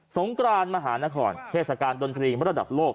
งกรานมหานครเทศกาลดนตรีระดับโลก